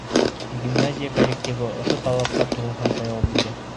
Гимназия коллективы ошо талаптарға тулыһынса яуап бирә.